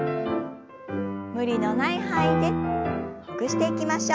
無理のない範囲でほぐしていきましょう。